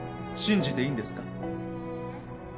信じていいんですか？